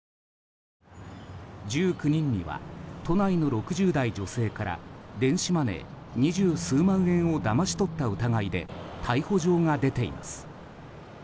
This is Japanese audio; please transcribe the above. １９人には都内の６０代女性から電子マネー、二十数万円をだまし取った疑いで逮捕状が出ています。